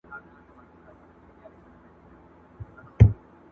• پلار ویل زویه دلته نر هغه سړی دی.